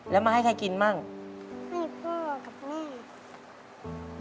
แล้วมาให้ใครกินบ้างให้พ่อกับแม่อืม